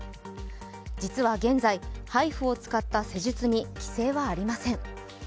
実は現在、ＨＩＦＵを使った施術に規制はありません。